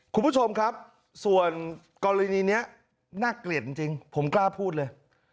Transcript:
คุณผู้ชมครับส่วนกรณีนี้น่าเกลียดจริงผมกล้าพูดเลย